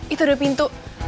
itu udah pintu